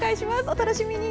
お楽しみに。